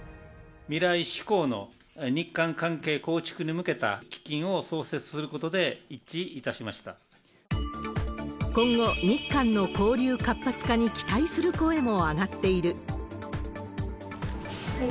未来志向の日韓関係構築に向けた基金を創設することで一致い今後、日韓の交流活発化に期待する声も上がっている。